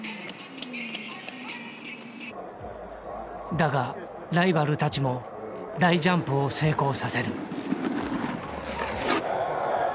だがライバルたちも大ジャンプを成功させる。